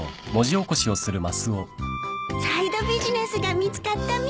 サイドビジネスが見つかったみたい。